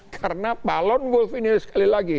karena apa lone wolf ini sekali lagi